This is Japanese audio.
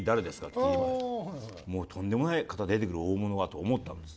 もうとんでもない方出てくる大物がと思ったんです。